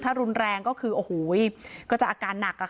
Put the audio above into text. ถ้ารุนแรงก็คืออ๋อหูยยยยยยอาการหนักค่ะ